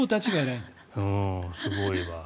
すごいわ。